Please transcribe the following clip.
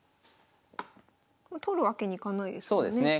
取るわけにいかないですもんね。